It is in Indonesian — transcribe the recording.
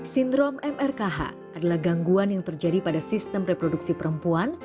sindrom mrkh adalah gangguan yang terjadi pada sistem reproduksi perempuan